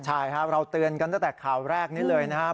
ใช่ครับเราเตือนกันตั้งแต่ข่าวแรกนี้เลยนะครับ